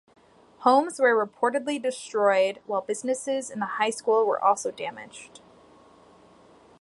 Homes were reportedly destroyed, while businesses and the high school were also damaged.